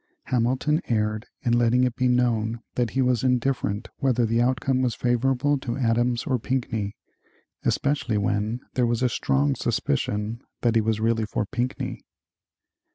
Hamilton erred in letting it be known that he was indifferent whether the outcome was favorable to Adams or Pinckney, especially when there was a strong suspicion that he was really for Pinckney.